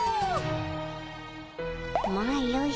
まあよい。